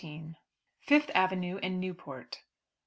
FIFTH AVENUE AND NEWPORT.